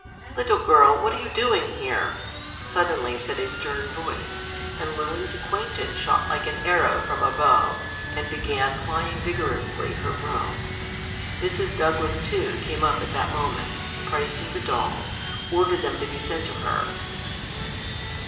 "Little girl, what are you doing here?" suddenly said a stern voice, and Lily's acquaintance shot like an arrow from a bow, and began plying vigorously her broom. Mrs. Douglas, too, came up at that moment, and pricing the dolls, ordered them to be sent to her.